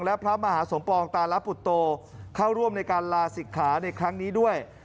และพระมหาสมปองตาลปุตโตเข้าร่วมในการลาศิกขาในครั้งนี้ด้วย